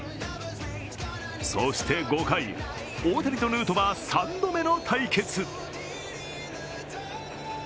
そして５回、大谷とヌートバー３度目の対決。